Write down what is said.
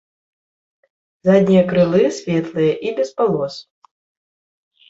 Заднія крылы светлыя і без палос.